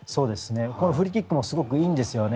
フリーキックもすごくいいんですよね。